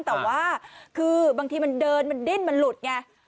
แต่ว่าคือบางทีมันเดินมันดิ้นมันหลุดไง